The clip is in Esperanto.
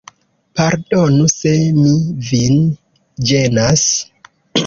Pardonu se mi vin ĝenas.